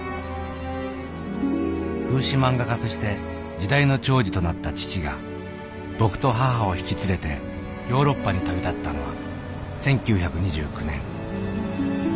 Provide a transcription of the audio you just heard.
風刺漫画家として時代の寵児となった父が僕と母を引き連れてヨーロッパに旅立ったのは１９２９年。